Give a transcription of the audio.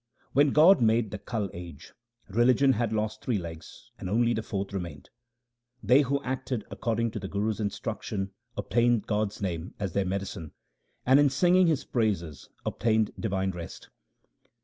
When God made the Kal age, religion had lost three legs and only the fourth remained. They who acted according to the Guru's instruction obtained God's name as their medicine, and in singing His praises obtained divine rest.